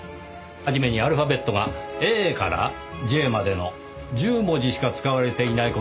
初めにアルファベットがＡからＪまでの１０文字しか使われていない事に注目しました。